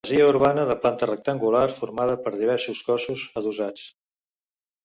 Masia urbana de planta rectangular, formada per diversos cossos adossats.